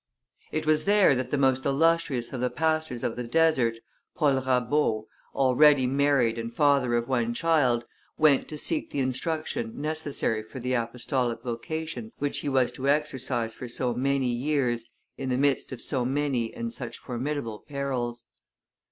It was there that the most illustrious of the pastors of the desert, Paul Rabaut, already married and father of one child, went to seek the instruction necessary for the apostolic vocation which he was to exercise for so many years in the midst of so many and such formidable perils.